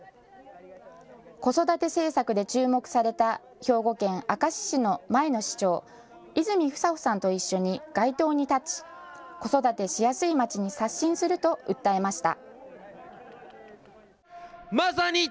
子育て政策で注目された兵庫県明石市の前の市長、泉房穂さんと一緒に街頭に立ち子育てしやすいまちに刷新すると訴えました。